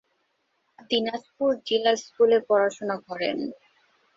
দিনাজপুর জিলা স্কুলে পড়াশোনা করেন।